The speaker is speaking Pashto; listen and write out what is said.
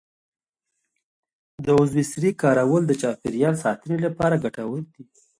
د عضوي سرې کارول د چاپیریال ساتنې لپاره ګټور دي.